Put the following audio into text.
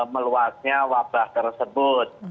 meluasnya wabah tersebut